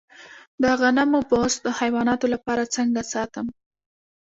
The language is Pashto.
د غنمو بوس د حیواناتو لپاره څنګه ساتم؟